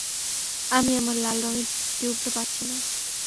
আমি আমার লাল রঙের টিউবটা পাচ্ছি না!